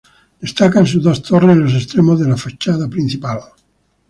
Destacan sus dos torres en los extremos de la fachada principal.